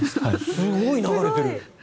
すごい流れてる！